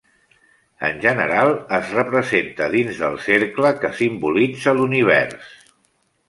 En general es representa dins del cercle, que simbolitza l'univers.